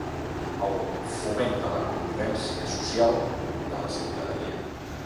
El foment de la convivència social de la ciutadania.